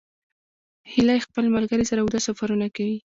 هیلۍ خپل ملګري سره اوږده سفرونه کوي